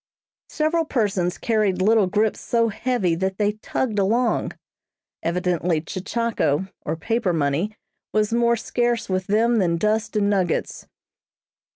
Several persons carried little grips so heavy that they tugged along evidently "Chechako," or paper money, was more scarce with them than dust and nuggets.